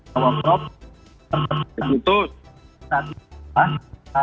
coba terima kasih